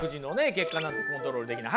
結果なんてコントロールできない。